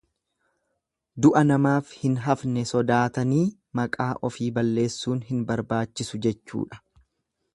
Du'a namaaf hin hafne sodaatanii maqaa ofii balleessuun hin barbaachisu jechuudha.